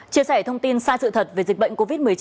chia sẻ thông tin sai sự thật về dịch bệnh covid một mươi chín